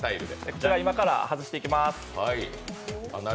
こちら、今から外していきます。